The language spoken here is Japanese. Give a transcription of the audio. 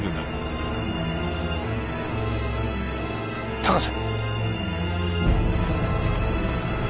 高瀬。